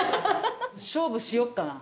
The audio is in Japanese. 勝負しよっかな。